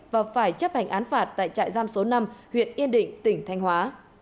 và phải chấp hành án phạt tại trại giam số năm huyện yên định tỉnh thanh hóa